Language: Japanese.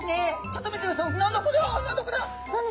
ちょっと見てください。